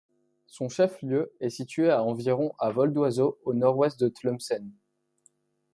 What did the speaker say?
Son chef-lieu est situé à environ à vol d'oiseau au nord-ouest de Tlemcen.